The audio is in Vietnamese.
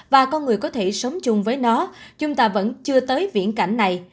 và con người có thể sống chung với nó chúng ta vẫn chưa tới viễn cảnh này